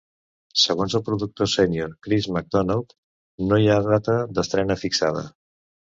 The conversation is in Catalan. Segons el productor sénior Chris McDonough "no hi ha data d'estrena" fixada.